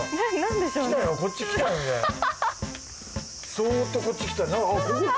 そっとこっち来た。